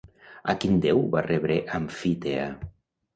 A quin déu va rebre Amfítea?